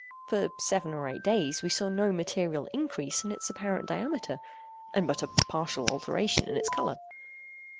For seven or eight days we saw no material increase in its apparent diameter, and but a partial alteration in its color.